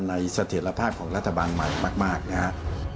เสถียรภาพของรัฐบาลใหม่มากนะครับ